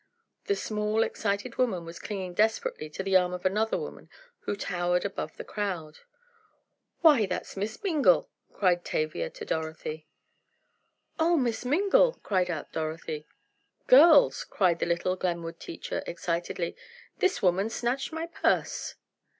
The small, excited woman was clinging desperately to the arm of another woman, who towered above the crowd. "Why, that's Miss Mingle!" cried Tavia to Dorothy. "Oh, Miss Mingle!" called out Dorothy. "Girls," cried the little Glenwood teacher, excitedly, "this woman snatched my purse!"